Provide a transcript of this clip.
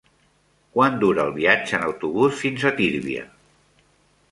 Quant dura el viatge en autobús fins a Tírvia?